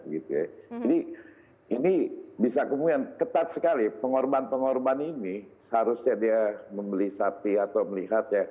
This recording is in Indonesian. jadi ini bisa kemungkinan ketat sekali pengorban pengorban ini seharusnya dia membeli sati atau melihat